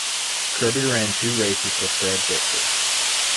Kirby ran two races for Fred Bickford.